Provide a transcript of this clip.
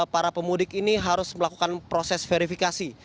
para pemudik ini harus melakukan proses verifikasi